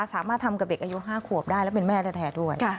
สามารถทำกับเด็กอายุ๕ขวบได้และเป็นแม่แท้ด้วย